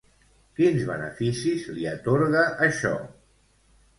Quins beneficis li atorga això?